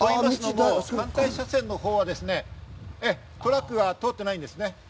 反対車線の方はトラックが通っていないんですね。